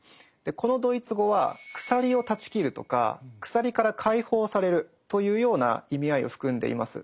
このドイツ語は「鎖を断ち切る」とか「鎖から解放される」というような意味合いを含んでいます。